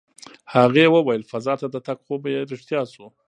هغې وویل فضا ته د تګ خوب یې رښتیا شو.